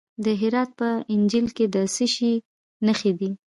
د هرات په انجیل کې د څه شي نښې دي؟